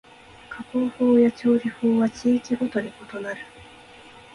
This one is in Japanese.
加工法や調理法は地域ごとに異なる